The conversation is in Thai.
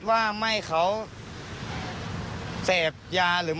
ผมก็เลยนั่งคลิป